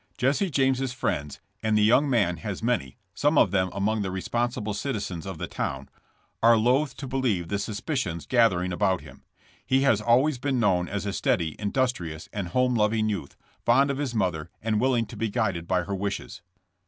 Jesse James' friends — and the young man has many, some of them among the responsible citizens of the town— are loth to believe the suspicions gath ering about him. He has always been known as a steady, industrious and home loving youth, fond of his mother, and willing to be guided by her wishes.